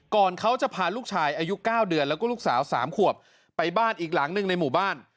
ก่อนเขาจะพาลูกชายอายุ๙เดือนแล้วก็ลูกสาว๓ขวบไปบ้านอีกหลังหนึ่งในหมู่บ้าน